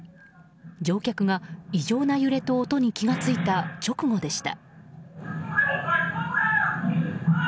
乗客が異常な揺れと音に気が付いた直後でした。